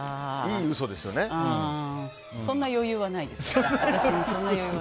私にそんな余裕はない。